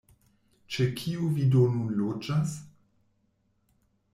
Ĉe kiu vi do nun loĝas?